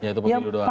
ya itu pemilu doang